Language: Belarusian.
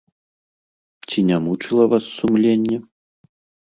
Ці не мучыла вас сумленне?